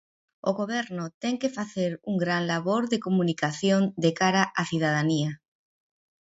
O Goberno ten que facer un gran labor de comunicación de cara á cidadanía.